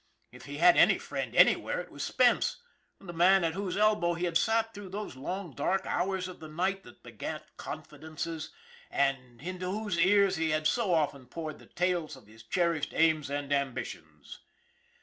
If he had any friend anywhere, it was Spence, the man at whose elbow he had sat through those long, dark hours of the night that beget confidences, and 3i6 ON THE IRON AT BIG CLOUD into whose ears he had so often poured the tales of his cherished aims and ambitions.